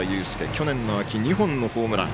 去年の秋、２本のホームラン。